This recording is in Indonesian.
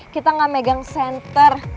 kita gak megang senter